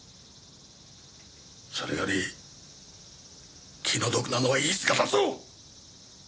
それより気の毒なのは飯塚だぞ！